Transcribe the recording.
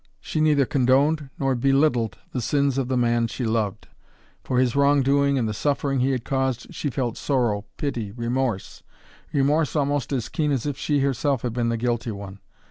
She neither condoned nor belittled the sins of the man she loved. For his wrongdoing and the suffering he had caused she felt sorrow, pity, remorse remorse almost as keen as if she herself had been the guilty one.